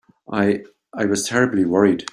I—I was terribly worried.